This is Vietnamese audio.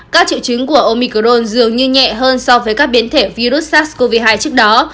các triệu chứng của omicrone dường như nhẹ hơn so với các biến thể virus sars cov hai trước đó